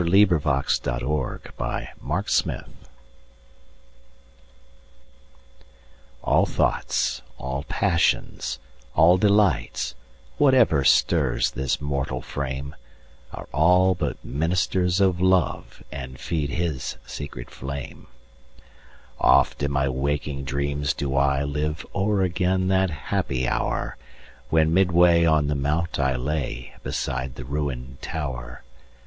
Love ALL thoughts, all passions, all delights, Whatever stirs this mortal frame, All are but ministers of Love, And feed his sacred flame. Oft in my waking dreams do ILive o'er again that happy hour, When midway on the mount I lay, Beside the ruin'd tower.